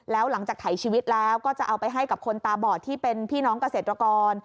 แล้วหลังจากถ่ายชีวิตแล้วก็จะเอาไปให้กับคนตาบอดที่เป็นพี่น้องเกษตรกร